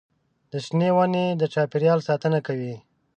د شنې ونې د چاپېریال ساتنه کوي.